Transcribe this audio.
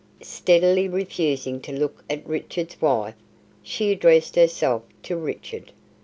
Steadily refusing to look at Richard's wife, she addressed herself to Richard.